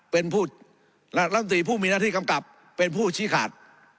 เป็นผู้รัฐมนตรีผู้มีหน้าที่กำกับเป็นผู้ชี้ขาด